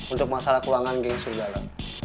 untuk masalah keuangan geng serigala